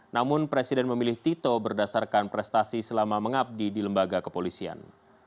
namun presiden memilih tito berdasarkan prestasi selama mengabdi di lembaga kepolisian